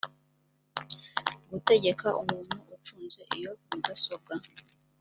gutegeka umuntu ucunze iyo mudasobwa